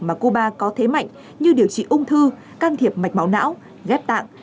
mà cuba có thế mạnh như điều trị ung thư can thiệp mạch máu não ghép tạng